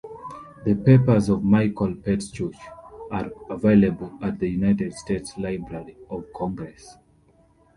The papers of Michael Pertschuk are available at the United States Library of Congress.